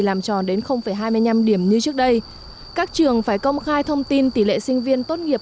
làm tròn đến hai mươi năm điểm như trước đây các trường phải công khai thông tin tỷ lệ sinh viên tốt nghiệp